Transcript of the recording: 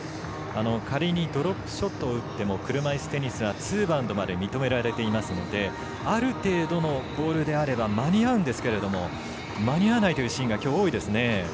仮にドロップショットを打っても車いすテニスはツーバウンドまで認められていますのである程度のボールであれば間に合うんですけど間に合わないというシーンがきょうは多いですね。